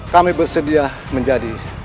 kami bersedia menjadi